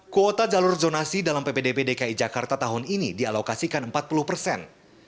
kuota jalur zonasi dalam ppdb dki jakarta tahun ini dialokasikan empat puluh persen